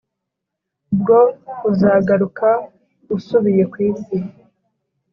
bwo uzagaruka usubiye ku isi